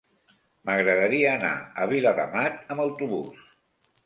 M'agradaria anar a Viladamat amb autobús.